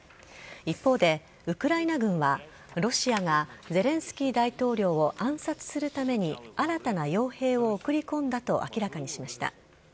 一方で、ウクライナ軍は、ロシアがゼレンスキー大統領を暗殺するために、新たなよう兵を送り込んだと明らかにしました。